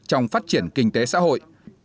trong phát triển kinh tế xã hội